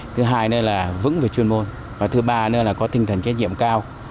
thứ hai nữa là vững về chuyên môn và thứ ba nữa là có tinh thần kết nghiệm cao